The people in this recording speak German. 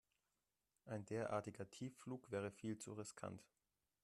Ein derartiger Tiefflug wäre viel zu riskant.